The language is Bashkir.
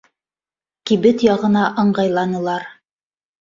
Кибет яғына ыңғайланылар.